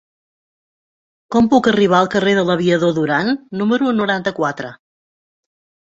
Com puc arribar al carrer de l'Aviador Durán número noranta-quatre?